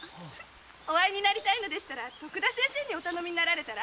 お会いになりたいのでしたら徳田先生にお頼みになったら？